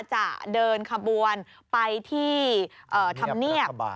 จะเดินขบวนไปที่ธรรมเนียบ